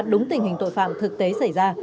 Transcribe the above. đúng tình hình tội phạm thực tế xảy ra